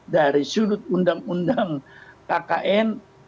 dari sudut undang undang kkn